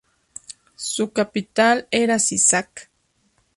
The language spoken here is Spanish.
Su capital era Sisak.